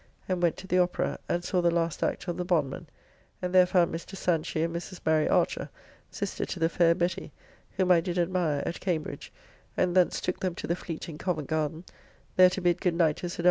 ] and went to the Opera, and saw the last act of "The Bondman," and there found Mr. Sanchy and Mrs. Mary Archer, sister to the fair Betty, whom I did admire at Cambridge, and thence took them to the Fleece in Covent Garden, there to bid good night to Sir W.